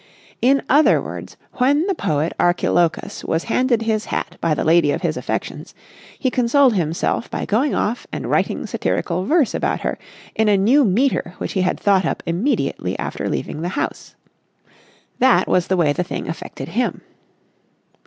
In other words, when the poet Archilochus was handed his hat by the lady of his affections, he consoled himself by going off and writing satirical verse about her in a new metre which he had thought up immediately after leaving the house. That was the way the thing affected him.